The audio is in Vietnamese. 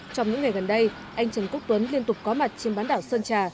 trong những ngày gần đây anh trần quốc tuấn liên tục có mặt trên bán đảo sơn trà